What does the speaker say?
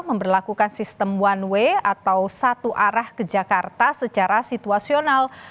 memperlakukan sistem one way atau satu arah ke jakarta secara situasional